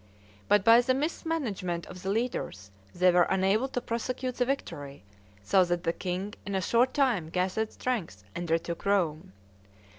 But by the mismanagement of the leaders, they were unable to prosecute the victory, so that the king in a short time gathered strength and retook Rome.